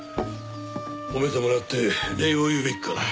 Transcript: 褒めてもらって礼を言うべきかな。